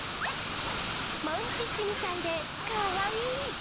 モンチッチみたいでかわいい。